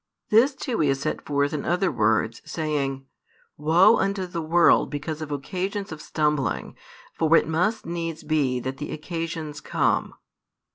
This too He has set forth in other words, saying: Woe unto the world because of occasions of stumbling! for it must needs be that the occasions come.